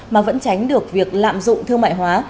mà vẫn tránh được việc lạm dụng thương mại hóa